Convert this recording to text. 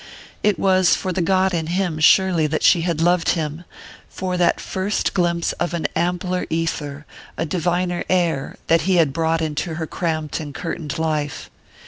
_ It was for the god in him, surely, that she had loved him: for that first glimpse of an "ampler ether, a diviner air" that he had brought into her cramped and curtained life.